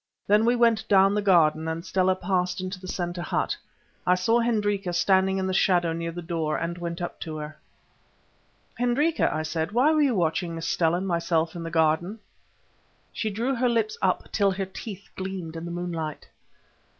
Then we went down the garden, and Stella passed into the centre hut. I saw Hendrika standing in the shadow near the door, and went up to her. "Hendrika," I said, "why were you watching Miss Stella and myself in the garden?" She drew her lips up till her teeth gleamed in the moonlight.